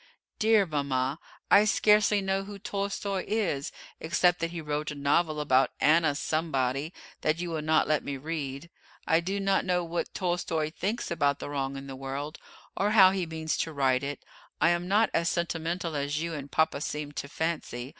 "Dear mama, I scarcely know who Tolstoi is, except that he wrote a novel about Anna somebody that you will not let me read. I do not know what Tolstoi thinks about the wrong in the world, or how he means to right it. I am not as sentimental as you and papa seem to fancy.